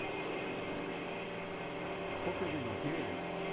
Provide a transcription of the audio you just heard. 北部のデュエです。